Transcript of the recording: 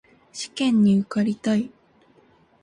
試験に受かりたい